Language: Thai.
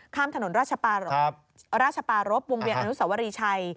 ข้ามถนนราชปารพวงเวียนอนุสวรีชัย